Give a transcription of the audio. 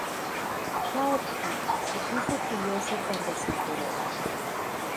Cao Pi se puso furioso cuando se enteró.